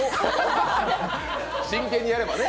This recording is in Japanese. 真剣にやればね？